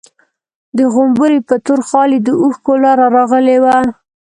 د غومبري په تور خال يې د اوښکو لاره راغلې وه.